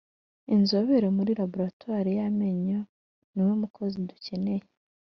Inzobere muri Laboratwari yamenyo niwwe mukozi dukeneye